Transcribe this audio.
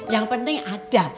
yang penting ada